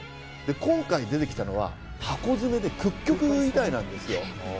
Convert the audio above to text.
今回出てきたのは、箱詰めで屈曲遺体です。